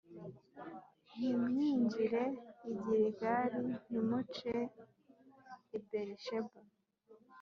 ntimwinjire i Giligali, ntimuce i Berisheba,